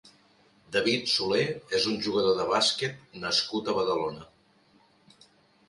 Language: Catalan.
David Solé és un jugador de bàsquet nascut a Badalona.